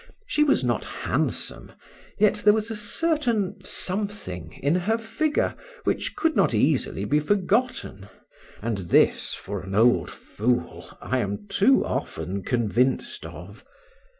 She was not handsome, yet there was a certain something in her figure which could not easily be forgotten, and this for an old fool, I am too often convinced of.